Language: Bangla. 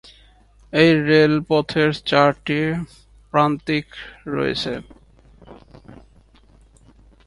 এই রেলপথের চারটি প্রান্তিক রয়েছে।